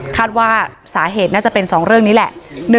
คาดว่าสาเหตุน่าจะเป็น๒เรื่องนี้แหละ